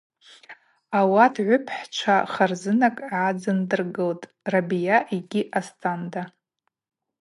Ауат гӏвыпхӏчва харзынакӏ гӏадзындыргылтӏ – Рабия йгьи Астанда.